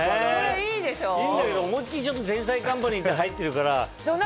いいんだけど思いっ切り『天才‼カンパニー』って入ってるから。